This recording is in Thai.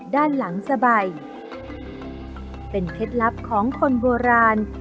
ด้านหลังสบายเป็นเคล็ดลับของคนโบราณ